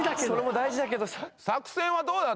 それも大事だけど。